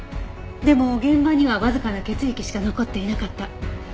でも現場にはわずかな血液しか残っていなかった。